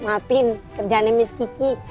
maafin kerjaannya miss kiki